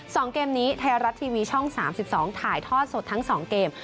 สองเกมนี้ไทยรัดทีวีช่อง๓๒ถ่ายทอดสดทั้งสองเกม